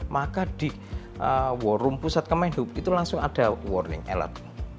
maka di warung pusat command hub itu langsung ada warning alert